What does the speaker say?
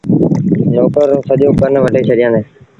نوڪر رو سڄو ڪن وڍي ڇڏيآندي۔